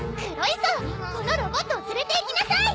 このロボットを連れていきなさい！